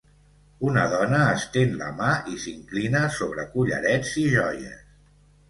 Una dona estén la mà i s'inclina sobre collarets i joies.